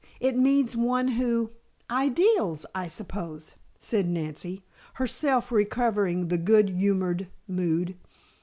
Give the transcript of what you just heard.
It means one who " "Ideals I suppose," said Nancy, herself recovering the good humored mood.